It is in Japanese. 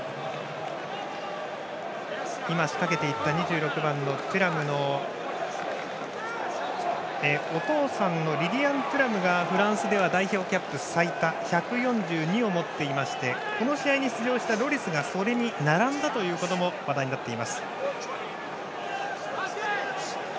今、仕掛けていった２６番、テュラムのお父さんのリリアン・テュラムがフランスでは代表キャップ最多１４２を持っていましてこの試合に出場したロリスがそれに並んだことも話題になっています。